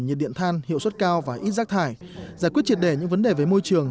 nhiệt điện than hiệu suất cao và ít rác thải giải quyết triệt đề những vấn đề về môi trường